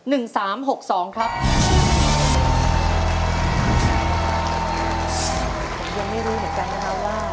ยังไม่รู้เหมือนกันนะว่า